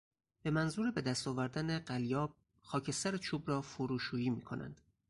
به منظور بهدست آوردن قلیاب خاکستر چوب را فروشویی میکنند.